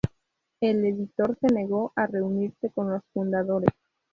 El editor se negó a reunirse con los fundadores.